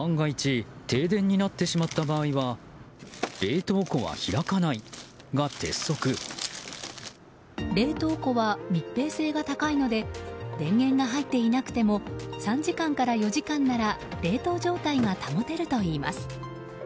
冷凍庫は密閉性が高いので電源が入っていなくても３時間から４時間なら冷凍状態が保てるといいます。